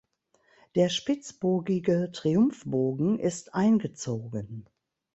Der spitzbogige Triumphbogen ist eingezogen.